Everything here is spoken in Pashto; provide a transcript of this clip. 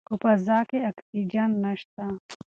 په فضا کې اکسیجن نشته.